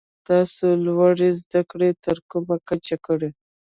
تاسو لوړي زده کړي تر کومه کچه کړي ؟